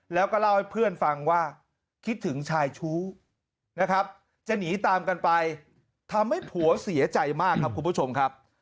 แล้วก็เล่าให้เพื่อนฟังว่าคิดถึงชายชู้นะครับจะหนีตามกันไปทำให้ผัวเสียใจมากครับคุณผู้ชมครับ